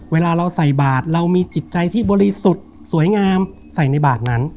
เวลาเราใส่บาทเรามีจิตใจที่บริสุทธิ์สวยงามใส่ในบาทนั้น